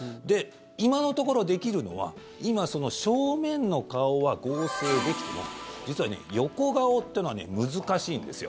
今のところできるのは今、正面の顔は合成できても実は横顔というのは難しいんですよ。